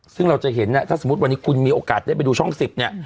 ซึ่งเราจะเห็นถ้าสมมุติวันนี้คุณมีโอกาสได้ไปดูช่อง๑๐เนี่ย